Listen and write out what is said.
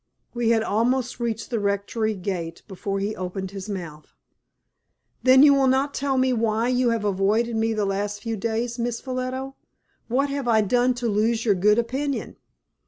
We had almost reached the Rectory gate before he opened his mouth. "Then you will not tell me why you have avoided me the last few days, Miss Ffolliot. What have I done to lose your good opinion?"